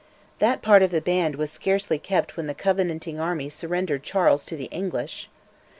That part of the band was scarcely kept when the Covenanting army surrendered Charles to the English.